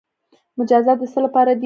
مجازات د څه لپاره دي؟